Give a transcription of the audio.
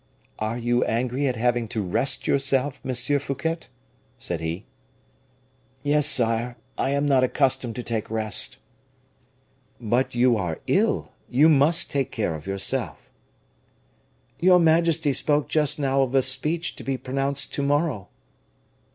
"Are you angry at having to rest yourself, M. Fouquet?" said he. "Yes, sire, I am not accustomed to take rest." "But you are ill; you must take care of yourself." "Your majesty spoke just now of a speech to be pronounced to morrow."